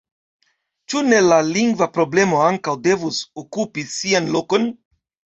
Ĉu ne la lingva problemo ankaŭ devus okupi sian lokon?